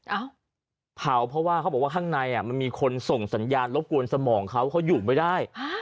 เอ้าเผาเพราะว่าเขาบอกว่าข้างในมันมีคนส่งสัญญาณรบกวนสมองเขาเขาอยู่ไม่ได้